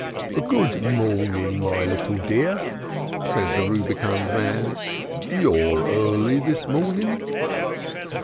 "Good mornen, my little dear," said the rubicund man. "You're early this mornen."